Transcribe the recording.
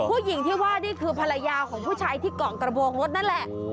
ผู้หญิงที่ว่านี่คือภรรยาของผู้ชายที่เกาะกระโบงรถนั่นแหละ